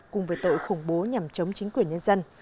cùng với tội khủng bố nhằm chống chính quyền nhân dân